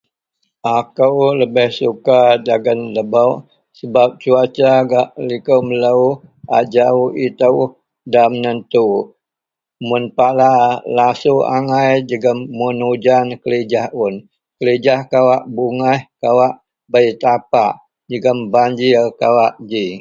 akou lebih suka dagen lebok sebab cuaca gak liko melou ajau itou da menentu, mun pala lasuk angai jegum mun ujan kelijah un, kelijah kawak bugaih kawak bei tapak jegum banjir kawa ji.